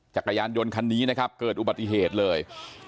จักรยานยนต์คันนี้นะครับเกิดอุบัติเหตุเลย